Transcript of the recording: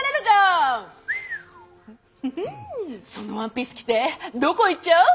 そのワンピース着てどこ行っちゃう？